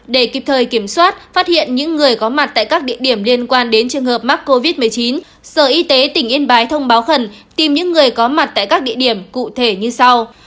để kịp thời kiểm soát phát hiện những người có mặt tại các địa điểm liên quan đến trường hợp mắc covid một mươi chín sở y tế tỉnh yên bái thông báo khẩn tìm những người có mặt tại các địa điểm cụ thể như sau